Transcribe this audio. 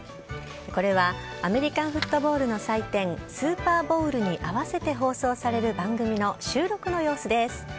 これはアメリカンフットボールの祭典スーパーボールに合わせて放送される番組の収録の様子です。